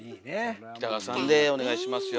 北川さんでお願いしますよ